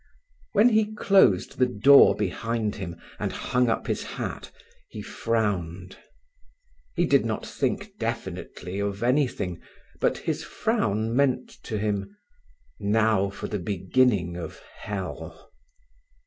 When he closed the door behind him and hung up his hat he frowned. He did not think definitely of anything, but his frown meant to him: "Now for the beginning of Hell!"